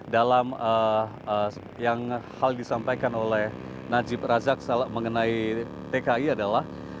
dalam hal disampaikan oleh najib razak mengenai tki adalah